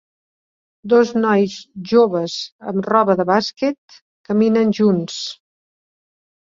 Dos nois joves amb roba de bàsquet caminen junts